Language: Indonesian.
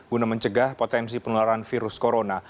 guna mencegah potensi penularan virus corona